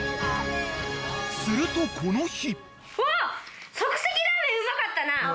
［するとこの日］